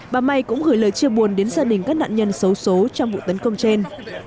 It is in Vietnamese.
bà may cũng gửi lời chia buồn đến gia đình các nạn nhân xấu xố trong vụ tấn công trên